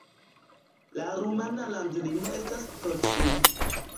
La rumana landlimo estas proksime.